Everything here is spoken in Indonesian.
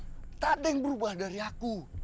tidak ada yang berubah dari aku